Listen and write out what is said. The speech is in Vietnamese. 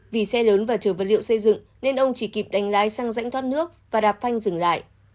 vì xe lớn và chở vật liệu xây dựng nên ông chỉ kịp đánh lái sang rãnh thoát nước và đạp phanh dừng lại